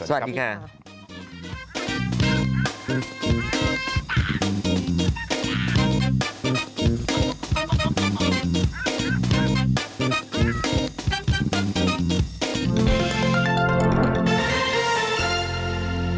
สวัสดีค่ะ